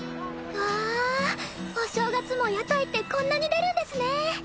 うわ！お正月も屋台ってこんなに出るんですね！